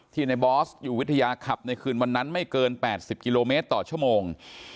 ในบอสอยู่วิทยาขับในคืนวันนั้นไม่เกิน๘๐กิโลเมตรต่อชั่วโมง